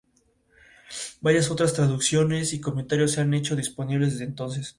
Varias otras traducciones y comentarios se han hecho disponibles desde entonces.